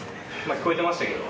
聞こえてましたけど。